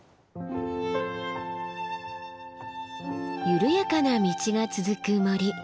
緩やかな道が続く森。